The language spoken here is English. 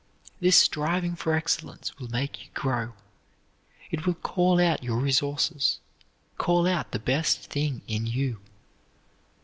This striving for excellence will make you grow. It will call out your resources, call out the best thing in you.